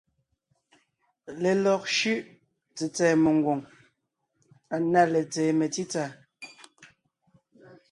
Lelɔg shʉ́ʼ tsètsɛ̀ɛ mengwòŋ na letseen metsítsà.